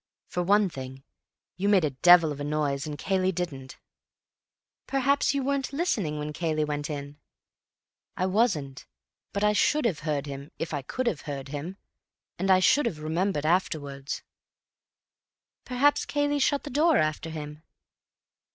"For one thing, you made a devil of a noise and Cayley didn't." "Perhaps you weren't listening when Cayley went in?" "I wasn't. But I should have heard him if I could have heard him, and I should have remembered afterwards." "Perhaps Cayley shut the door after him."